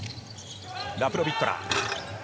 ラプロビットラ。